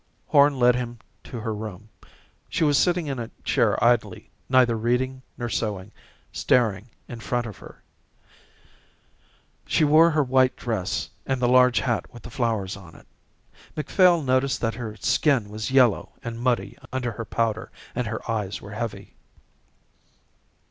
Horn led him to her room. She was sitting in a chair idly, neither reading nor sewing, staring in front of her. She wore her white dress and the large hat with the flowers on it. Macphail noticed that her skin was yellow and muddy under her powder, and her eyes were heavy.